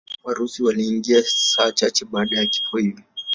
Warusi waliingia saa chache baada ya vifo hivi.